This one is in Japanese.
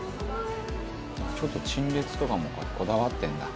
「ちょっと陳列とかもこだわってるんだ」